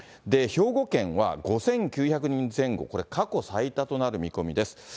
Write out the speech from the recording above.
兵庫県は５９００人前後、これ、過去最多となる見込みです。